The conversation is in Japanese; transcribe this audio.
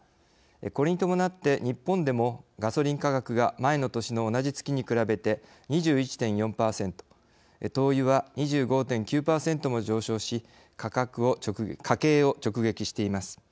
これに伴って日本でもガソリン価格が前の年の同じ月に比べて２１．４％灯油は２５．９％も上昇し家計を直撃しています。